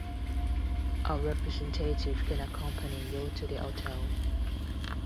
Our representative can accompany you to the hotel.